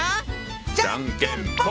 じゃんけんぽん！